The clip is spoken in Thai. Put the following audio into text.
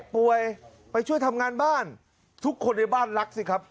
ป่วยไปช่วยทำงานบ้านทุกคนในบ้านรักสิครับ